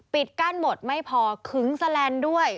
ปิดกั้นหมดไม่พอขึงแสลนด์ด้วย